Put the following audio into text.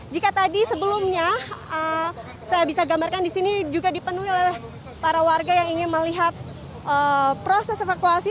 jika tadi sebelumnya saya bisa gambarkan di sini juga dipenuhi oleh para warga yang ingin melihat proses evakuasi